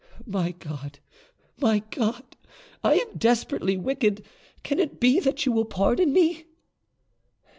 My God, my God! I am desperately wicked; can it be that you will pardon me?"